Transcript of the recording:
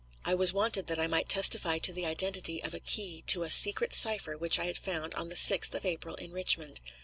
I was wanted that I might testify to the identity of a key to a secret cipher which I had found on the 6th of April in Richmond.